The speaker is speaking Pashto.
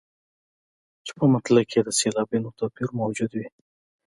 چې په مطلع کې یې د سېلابونو توپیر موجود وي.